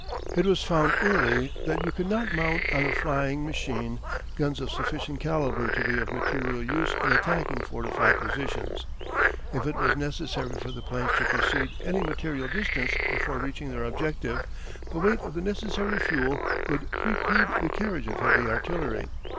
It was found early that you could not mount on a flying machine guns of sufficient calibre to be of material use in attacking fortified positions. If it was necessary for the planes to proceed any material distance before reaching their objective, the weight of the necessary fuel would preclude the carriage of heavy artillery.